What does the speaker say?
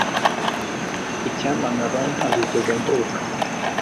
Icyampa nkaba ntarigeze mvuka